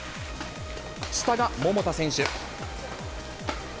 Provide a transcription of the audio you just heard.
下が桃田選手。